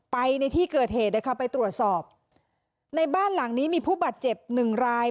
ในที่เกิดเหตุนะคะไปตรวจสอบในบ้านหลังนี้มีผู้บาดเจ็บหนึ่งราย